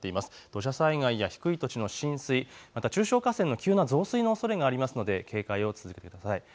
土砂災害や低い土地の浸水、また中小河川の急な増水のおそれがありますので警戒を続けてください。